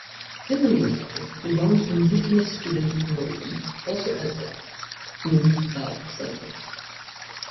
In the meantime, the young indigenous student Marie also ends up in the cellblock.